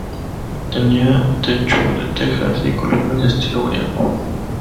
Tenía techo de tejas y columnas estilo griego.